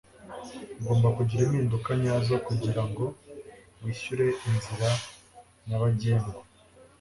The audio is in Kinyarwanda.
ugomba kugira impinduka nyazo kugirango wishyure inzira nyabagendwa